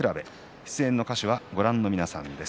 出演の歌手は、ご覧の皆さんです。